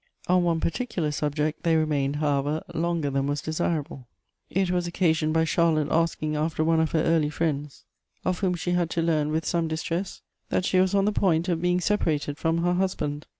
On one particular subject they remained, however, longer than was desirable ! It was occasioned by Charlotte asking after one of her early friends, of whom she had to learn, with some distress, that she was on the point of being separated from her liusband.